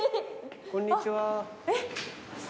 こんにちは。